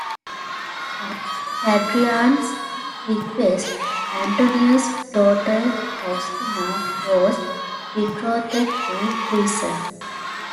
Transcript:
At Hadrian's request, Antoninus' daughter Faustina was betrothed to Lucius.